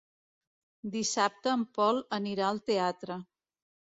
Dissabte en Pol anirà al teatre.